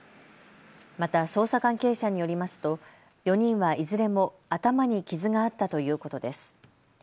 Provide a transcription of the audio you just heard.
また捜査関係者によりますと４人はいずれも頭に傷があったということです。